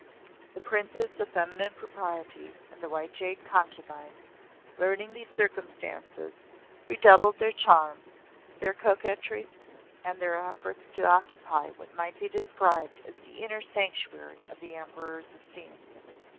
The Princess of Feminine Propriety and the White Jade Concubine, learning these circumstances, redoubled their charms, their coquetries and their efforts to occupy what may be described as the inner sanctuary of the Emperor's esteem.